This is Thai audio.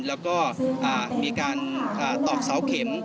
แล้วก็มีการตอกเสาเข็ม